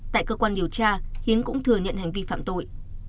tại cơ quan điều tra hiến cũng thừa nhận hành vi phạm tội